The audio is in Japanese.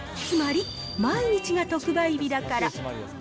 つまり毎日が特売日だから。